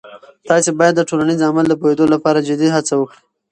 تاسې باید د ټولنیز عمل د پوهیدو لپاره جدي هڅه وکړئ.